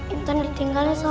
intan ditinggalin sejak